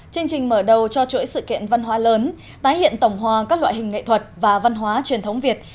chương trình mở đầu cho chuỗi sự kiện văn hóa lớn tái hiện tổng hòa các loại hình nghệ thuật và văn hóa truyền thống việt